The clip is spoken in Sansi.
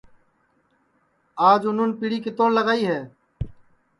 آج اُنون پیڑی کِتوڑ لگائی ہے